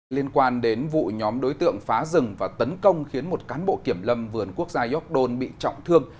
liên quan đến vụ nhóm đối tượng phá rừng và tấn công khiến một cán bộ kiểm lâm vườn quốc gia york don bị trọng thương